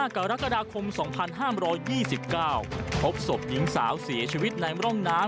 ๒๕กรกฎาคมสองพันห้ามร้อยยี่สิบเก้าพบศพหญิงสาวเสียชีวิตในร่องน้ำ